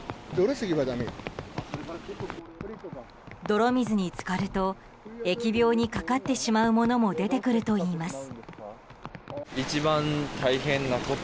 泥水に浸かると疫病にかかってしまうものも出てくるといいます。